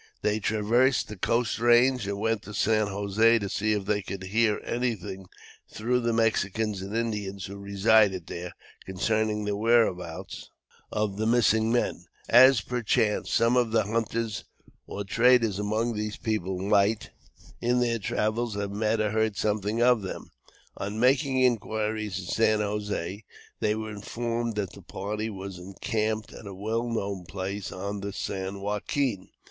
They traversed the coast range and went to San José to see if they could hear anything through the Mexicans and Indians who resided there, concerning the whereabouts of the missing men; as perchance, some of the hunters or traders among these people might, in their travels, have met or heard something of them. On making inquiries at San José, they were informed that the party was encamped at a well known place on the San Joaquin.